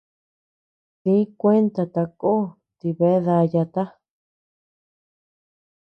Di kuenta tako ti bea dayata.